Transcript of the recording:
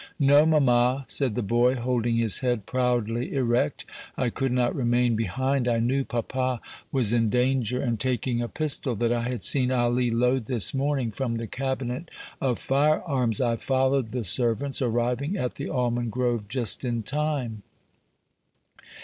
"No, mamma," said the boy, holding his head proudly erect. "I could not remain behind. I knew papa was in danger, and, taking a pistol that I had seen Ali load this morning from the cabinet of fire arms, I followed the servants, arriving at the almond grove just in time."